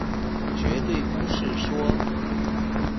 絕對不是說